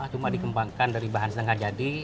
cuma dikembangkan dari bahan setengah jadi